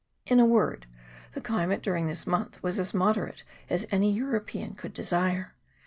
In a word, the climate during this month was as moderate as any European could desire.